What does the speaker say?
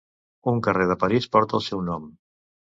Un carrer de París porta el seu nom.